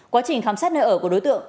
quá trình khám xét nơi ở của đối tượng